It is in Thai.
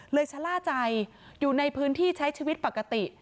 ชะล่าใจอยู่ในพื้นที่ใช้ชีวิตปกติ